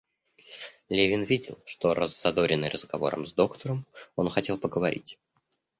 Левин видел, что, раззадоренный разговором с доктором, он хотел поговорить.